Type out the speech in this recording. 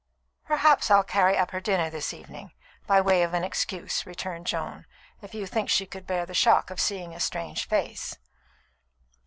"Perhaps I'll carry up her dinner this evening, by way of an excuse," returned Joan "if you think she could bear the shock of seeing a strange face."